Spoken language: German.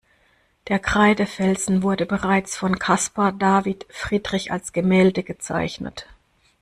Der Kreidefelsen wurde bereits von Caspar David Friedrich als Gemälde gezeichnet.